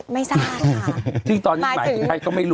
ไม่ทราบค่ะ